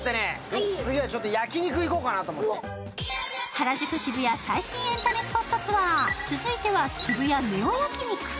原宿・渋谷最新エンタメスポットツアー続いては渋谷ネオ焼肉。